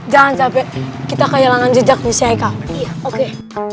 jangan capek kita kejelangan jejak bisa ikan oke